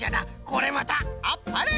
これまたあっぱれ！